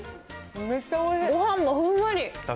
ごはんもふんわり。